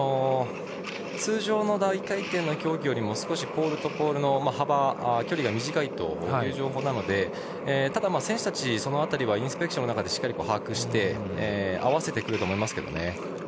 通常の大回転の競技よりもポールとポールの距離が短いという情報なのでただ、選手たちその辺りはインスペクションの中でしっかりと把握して合わせてくると思いますけどね。